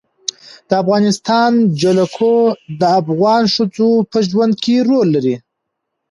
د افغانستان جلکو د افغان ښځو په ژوند کې رول لري.